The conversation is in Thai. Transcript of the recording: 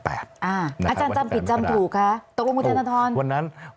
อาจารย์จำผิดจำถูกค่ะตกวงกุธนธรรม